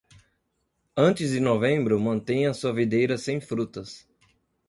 Antes de novembro, mantenha sua videira sem frutas.